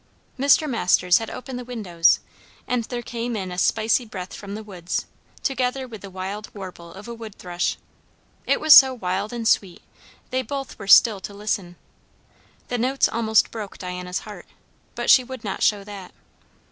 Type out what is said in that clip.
Mr. Masters had opened the windows, and there came in a spicy breath from the woods, together with the wild warble of a wood thrush. It was so wild and sweet, they both were still to listen. The notes almost broke Diana's heart, but she would not show that.